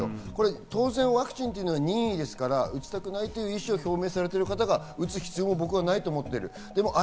当然、ワクチンというのは任意ですから、打ちたくないという意思を表明されている方が打つ必要も僕はないと思ってる。